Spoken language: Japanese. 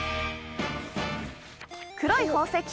「黒い宝石！